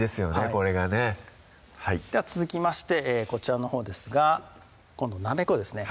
これがねでは続きましてこちらのほうですが今度なめこですね